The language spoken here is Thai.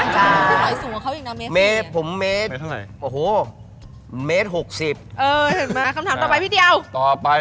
ค่อยสูงเมซิ